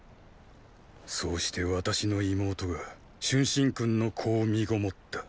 そうして私の妹が春申君の子を身籠った。